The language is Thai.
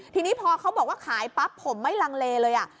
ทีนี้พอเขาบอกว่าขายปั๊บผมไม่ลังเลเลย